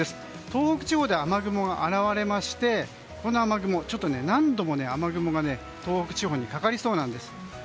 東北地方で雨雲が現れましてこの雨雲、何度も東北地方にかかりそうなんです。